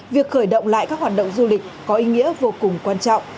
việc khởi động lại các hoạt động du lịch có ý nghĩa vô cùng quan trọng